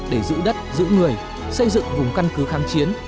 để giữ đất giữ người xây dựng vùng căn cứ kháng chiến